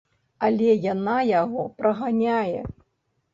Але яна яго праганяе.